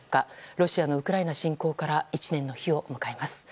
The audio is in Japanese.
ロシアのウクライナ侵攻から１年を迎えます。